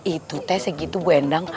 itu teh segitu bu endang